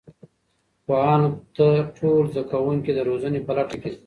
پوهانو ته ټول زده کوونکي د روزنې په لټه کې دي.